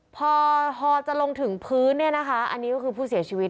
พอหอจะลงถึงพื้นอันนี้คือผู้เสียชีวิต